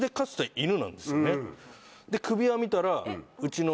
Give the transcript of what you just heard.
首輪見たら。